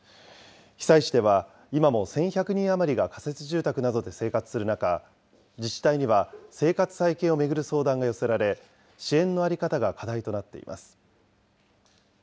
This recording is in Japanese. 被災地では今も１１００人余りが仮設住宅などで生活する中、自治体には生活再建を巡る相談が寄せられ、支援の在り方が課題となっています。